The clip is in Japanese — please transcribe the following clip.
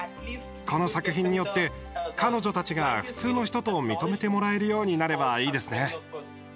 この作品によって彼女たちが普通の人と認めてもらえるようになればいいですね。